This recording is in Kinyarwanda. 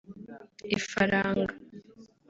’Ifaranga’